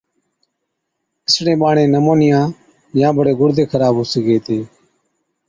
اِسڙين ٻاڙين نمونِيا يان بڙي گُڙدي خراب هُو سِگھي هِتي۔